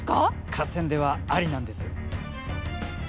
合戦ではありなんです。